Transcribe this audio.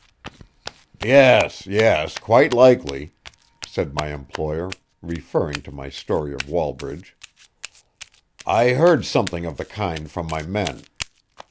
"Yes, yes; quite likely," said my employer, referring to my story of Wallbridge. "I heard something of the kind from my men.